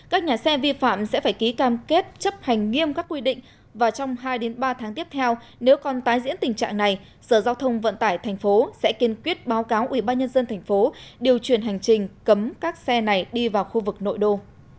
các nhà xe vi phạm sẽ phải ký cam kết chấp hành nghiêm các quy định và trong hai ba tháng tiếp theo nếu còn tái diễn tình trạng này sở giao thông vận tải tp sẽ kiên quyết báo cáo ubnd tp điều chuyển hành trình cấm các xe này đi vào khu vực nội đô